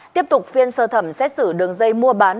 tiếp tục phiên sơ thẩm xét xử đường dây mua bán